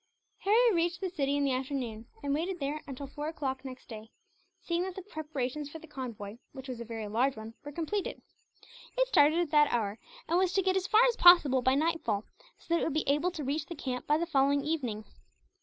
Harry reached the city in the afternoon, and waited there until four o'clock next day; seeing that the preparations for the convoy, which was a very large one, were completed. It started at that hour, and was to get as far as possible by nightfall; so that it would be able to reach the camp by the following evening.